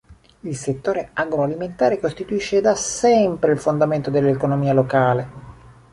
Il settore agro-alimentare costituisce da sempre il fondamento dell'economia locale.